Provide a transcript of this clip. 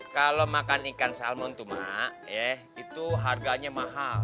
kalau makan ikan salmon tuh mak itu harganya mahal